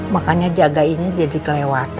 makanya menjaikinya jadi kelewatan